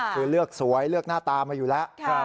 คือเลือกสวยเลือกหน้าตามาอยู่แล้ว